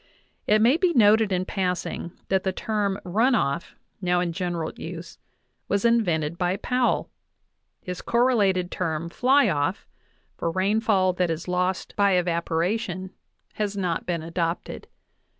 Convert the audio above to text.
It may be noted, in passing, that the term "run off," now in general use, was invented by Powell; his correlated term "fly off," for rainfall that is lost by evapora 40 JOHN WIvSIvSY POWELL DAVIS tion, has not been adopted.